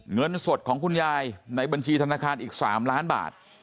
เงินสดของคุณยายในบัญชีธนาคารอีก๓ล้านบาท